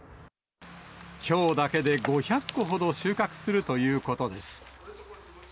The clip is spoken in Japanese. きょうだけで５００個ほど収穫するということです。